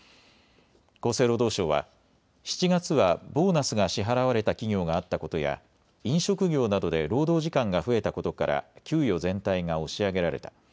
厚生労働省は７月はボーナスが支払われた企業があったことや飲食業などで労働時間が増えたことから給与全体が押し上げられた。